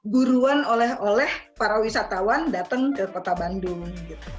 guruan oleh oleh para wisatawan datang ke kota bandung